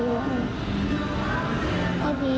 ให้พี่รุ้งหายปุ่นไว้